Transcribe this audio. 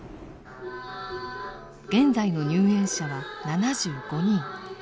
現在の入園者は７５人。